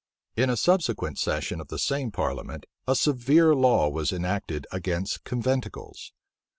In a subsequent session of the same parliament,[*] a severe law was enacted against conventicles.